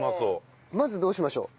まずどうしましょう？